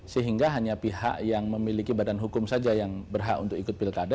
sehingga hanya pihak yang memiliki badan hukum saja yang berhak untuk ikut pilkada